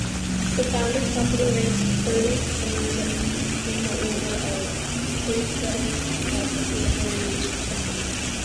The Founders' Company ranks thirty-third in the order of precedence of Livery Companies.